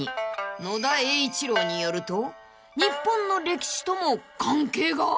［野田栄一郎によると日本の歴史とも関係が？］